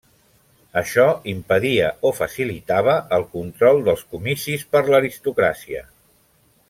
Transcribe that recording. Això impedia o facilitava el control dels comicis per l'aristocràcia.